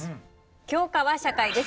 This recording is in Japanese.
教科は社会です。